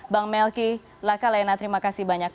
bang melky laka lena terima kasih banyak